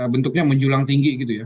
bentuknya menjulang tinggi gitu ya